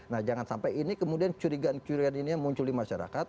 nah jangan sampai ini kemudian curigaan curigaan ini yang muncul di masyarakat